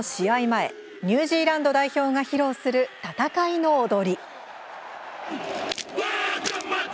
前ニュージーランド代表が披露する戦いの踊り。